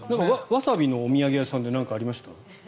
ワサビのお土産さんで何かありました？